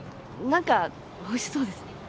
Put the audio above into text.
何かおいしそうですね。